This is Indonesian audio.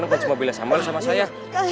iya di medika setia katanya